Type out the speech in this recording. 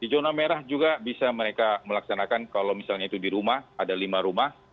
di zona merah juga bisa mereka melaksanakan kalau misalnya itu di rumah ada lima rumah